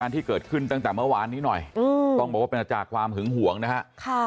ที่เกิดขึ้นตั้งแต่เมื่อวานนี้หน่อยต้องบอกว่าเป็นมาจากความหึงห่วงนะครับ